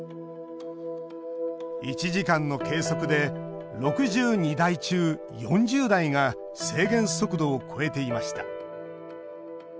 １時間の計測で６２台中４０台が制限速度を超えていました。